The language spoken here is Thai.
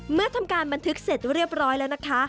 เมื่อทำการบันทึกเสร็จเรียบร้อยแล้วนะคะ